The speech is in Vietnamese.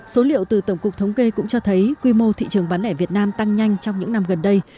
số liệu từ tổng cục thống kê cũng cho thấy quy mô thị trường bán lẻ việt nam tăng nhanh trong những năm gần đây